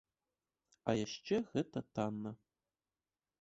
А яшчэ гэта танна.